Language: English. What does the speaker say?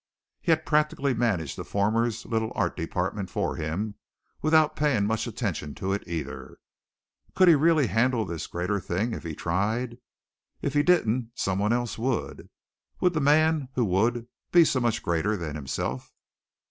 He had practically managed the former's little art department for him without paying much attention to it either. Couldn't he really handle this greater thing if he tried? If he didn't, someone else would. Would the man who would, be so much greater than himself?